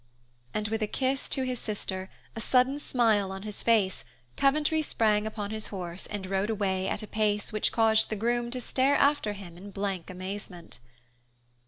And with a kiss to his sister, a sudden smile on his face, Coventry sprang upon his horse and rode away at a pace which caused the groom to stare after him in blank amazement.